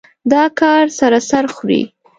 دا کار سر سره خوري.